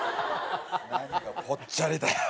何がぽっちゃりだよ。